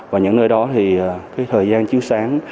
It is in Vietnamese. và những nơi đó thì thời gian chiếu sáng